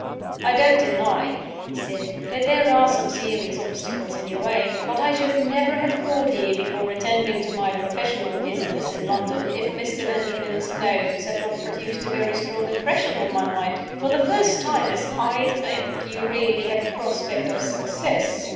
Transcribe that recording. "I don't deny," he said, "that there are some serious obstacles in your way. But I should never have called here before attending to my professional business in London if Mr. Benjamin's notes had not produced a very strong impression on my mind. For the first time, as I think, you really have a prospect of success.